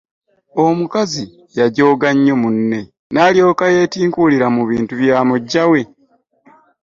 Omukazi yagyooga nnyo munne, nalyokka yetinkulira mu bintu bya mugyawe.